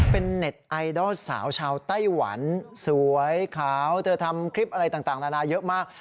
เป็นเน็ตไอดอลสาวชาวไต้หวันสวยขาวเธอทำคลิปอะไรต่างนานาเยอะมาก